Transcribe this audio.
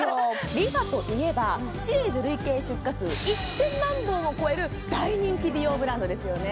ＲｅＦａといえばシリーズ累計出荷数１０００万本を超える大人気美容ブランドですよね